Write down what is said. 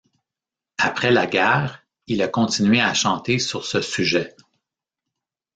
Après la guerre, il a continué à chanter sur ce sujet.